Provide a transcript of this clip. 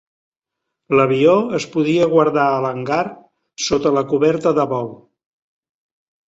L'avió es podia guardar a l'hangar sota la coberta de vol.